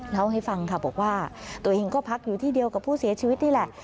เล่าให้ฟังค่ะบอกว่าตัวเองก็พักอยู่ที่เดียวกับผู้เสียชีวิตนี่แหละ